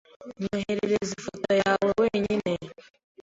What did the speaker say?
Nyoherereza ifoto yawe wenyine.